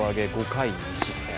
５回２失点。